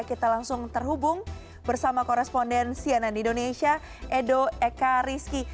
kita langsung terhubung bersama koresponden sianan indonesia edo ekariski